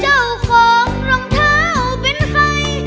เจ้าของรองเท้าเป็นใคร